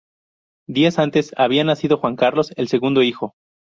Días antes había nacido Juan Carlos, el segundo hijo.